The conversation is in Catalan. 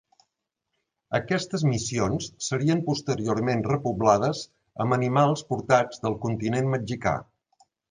Aquestes missions serien posteriorment repoblades amb animals portats del continent mexicà.